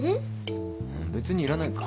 別にいらないか。